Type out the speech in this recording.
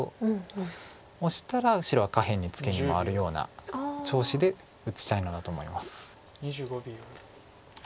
オシたら白は下辺にツケに回るような調子で打ちたいのだと思います。